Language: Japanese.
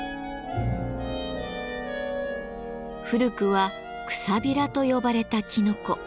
古くは「くさびら」と呼ばれたきのこ。